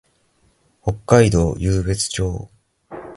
北海道湧別町